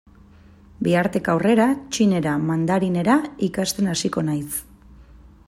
Bihartik aurrera txinera, mandarinera, ikasten hasiko naiz.